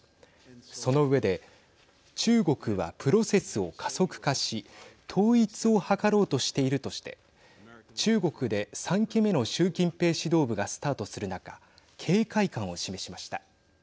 その上で中国はプロセスを加速化し統一を図ろうとしているとして中国で３期目の習近平指導部がスタートする中警戒感を示しました。